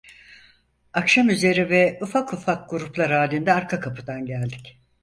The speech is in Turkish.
Akşamüzeri ve ufak ufak gruplar halinde arka kapıdan geldik.